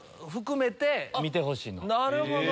なるほど。